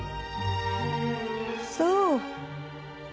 そう。